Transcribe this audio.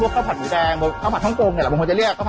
แค่สั่งอาหารยังไม่พอ